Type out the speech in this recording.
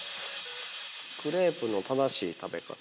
クレープの正しい食べ方。